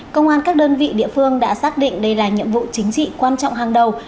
công an các đơn vị địa phương đã xác định đây là nhiệm vụ chính trị quan trọng hàng đầu